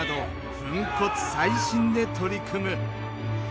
粉骨砕身で取り組む。